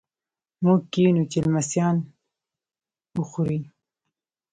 موږ کینوو چې لمسیان وخوري.